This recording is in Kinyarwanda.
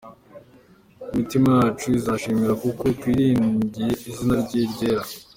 Imitima yacu izamwishimira, Kuko twiringiye izina rye ryera.